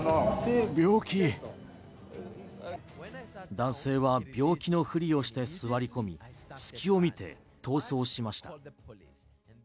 男性は病気のふりをして座り込み、隙を見て逃走しました。